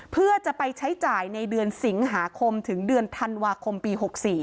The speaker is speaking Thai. เพื่อจะไปใช้จ่ายในเดือนสิงหาคมถึงเดือนธันวาคมปี๖๔